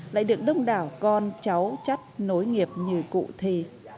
lại được đông đảo con cháu chắt nối nghiệp như cụ thi